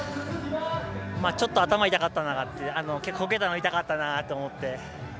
ちょっと頭が痛かったなこけたのが痛かったなと思って。